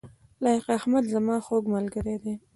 لائق احمد زما خوږ ملګری دی